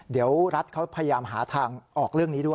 เดี๋ยวรัฐเขาพยายามหาทางออกเรื่องนี้ด้วย